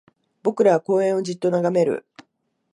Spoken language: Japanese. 僕らは公園をじっと眺める